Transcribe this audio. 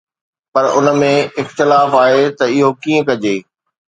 پر ان ۾ اختلاف آهي ته اهو ڪيئن ڪجي